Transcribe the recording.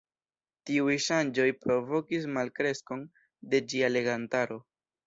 Tiuj ŝanĝoj provokis malkreskon de ĝia legantaro.